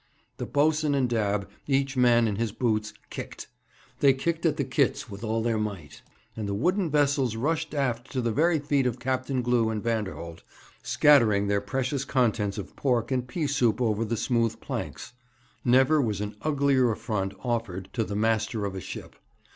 The boatswain and Dabb, each man in his boots, kicked. They kicked at the kids with all their might, and the wooden vessels rushed aft to the very feet of Captain Glew and Vanderholt, scattering their precious contents of pork and pea soup over the smooth planks. Never was an uglier affront offered to the master of a ship.